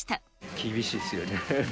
厳しいですよね。